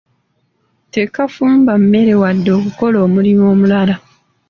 Tekafumba mmere wadde okukola omulimu omulala.